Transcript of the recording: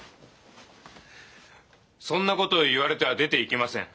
そんな事を言われては出ていけません。